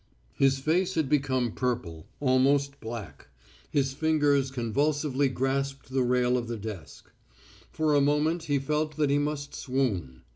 His face had become purple, almost black; his lingers convulsively grasped the rail of the desk. For a moment he felt that he must swoon.